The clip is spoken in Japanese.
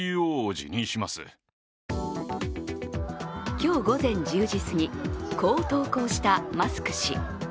今日午前１０時過ぎ、こう投稿したマスク氏。